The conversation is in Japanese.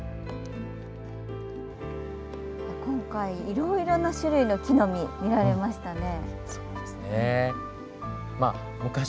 今回いろいろな種類の木の実見られましたね。